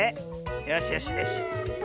よしよしよしよし。